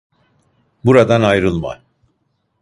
Buradan ayrılma.